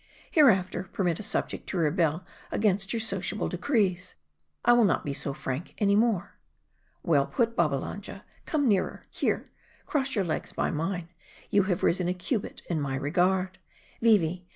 Hereafter, permit a subject to rebel against your sociable decrees. I will not be so frank ahy more." " "Well put, Babbalanja ; come nearer ; here, cross your legs by mine ; you have risen a cubit in my regard Vee V.